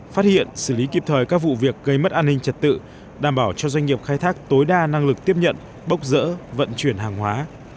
phát hiện xử lý kịp thời các vụ việc gây mất an ninh trật tự đảm bảo cho doanh nghiệp khai thác tối đa năng lực tiếp nhận bốc rỡ vận chuyển hàng hóa